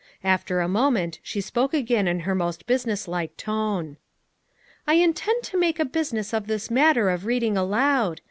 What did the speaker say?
After a moment she spoke again in her most business like tone. "I intend to make a business of this matter of reading aloud.